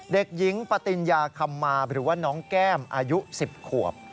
เด็กหญิงปติญญาคำมาหรือว่าน้องแก้มอายุ๑๐ขวบ